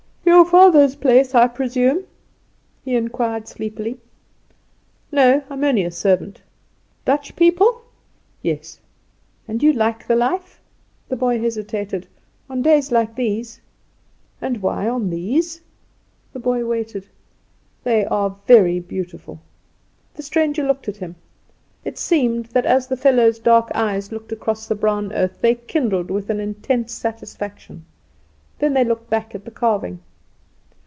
"Your father's place I presume?" he inquired sleepily. "No; I am only a servant." "Dutch people?" "Yes." "And you like the life?" The boy hesitated. "On days like these." "And why on these?" The boy waited. "They are very beautiful." The stranger looked at him. It seemed that as the fellow's dark eyes looked across the brown earth they kindled with an intense satisfaction; then they looked back at the carving.